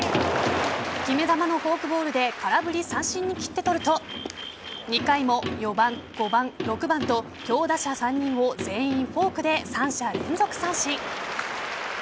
決め球のフォークボールで空振り三振に斬って取ると２回も４番、５番、６番と強打者３人を全員フォークで３者連続三振。